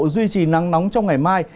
duy trì nắng nóng trong ngày mai